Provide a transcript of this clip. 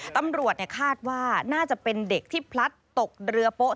ตำรวจคาดว่าน่าจะเป็นเด็กที่พลัดตกเรือโป๊ะ